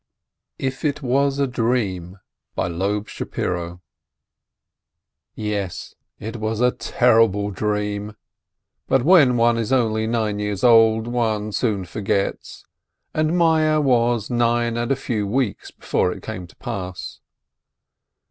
IF IT WAS A DREAM Yes, it was a terrible dream ! But when one is only nine years old, one soon forgets, and Meyer was nine a few weeks before it came to pass.